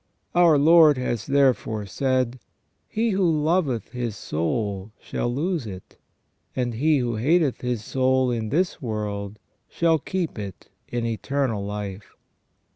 Our Lord has therefore said :" He who loveth his soul shall lose it, and he who hateth his soul in this world shall keep it in eternal life